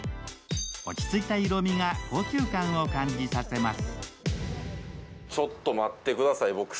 落ち着いた色味が高級感を感じさせます。